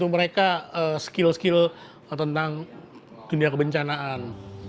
mereka skill skill tentang dunia kebencanaan